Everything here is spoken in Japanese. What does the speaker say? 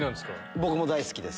僕も大好きです。